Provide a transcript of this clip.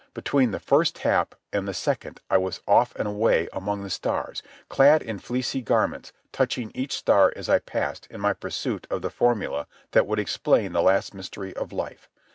Between the first tap and the second I was off and away among the stars, clad in fleecy garments, touching each star as I passed in my pursuit of the formulæ that would explain the last mystery of life.